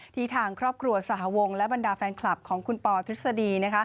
ทางครอบครัวสหวงและบรรดาแฟนคลับของคุณปอทฤษฎี